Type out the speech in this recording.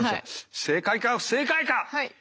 正解か不正解か。